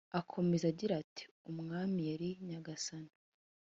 Akomeza agira ati “Umwami yari Nyagasani